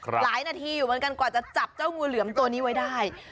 หลายนาทีอยู่เหมือนกันกว่าจะจับเจ้างูเหลือมตัวนี้ไว้ได้